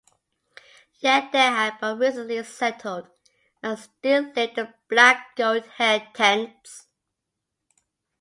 Yet they had but recently settled, and still lived in black goat-hair tents.